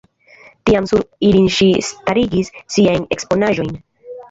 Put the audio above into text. Tiam sur ilin ŝi starigis siajn eksponaĵojn.